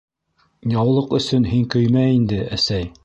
- Яулыҡ өсөн һин көймә инде, әсәй...